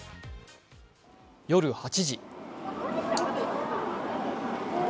夜８時。